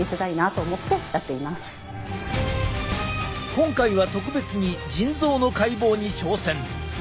今回は特別に腎臓の解剖に挑戦。